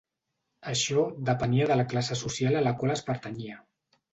Això depenia de la classe social a la qual es pertanyia.